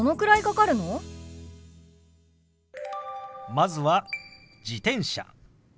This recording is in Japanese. まずは「自転車」。